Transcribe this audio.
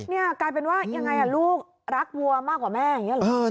นี่กลายเป็นว่ายังไงลูกรักวัวมากกว่าแม่อย่างนี้เหรอ